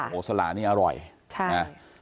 โอ้โหสละนี้อร่อยใช่